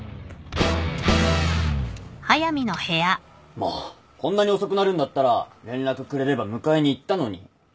もうこんなに遅くなるんだったら連絡くれれば迎えに行ったのに。